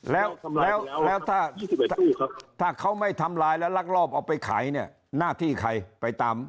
แล้วถ้าเขาไม่ทำลายแล้วลักลอบเอาไปขายเนี่ยหน้าที่ใครไปตาม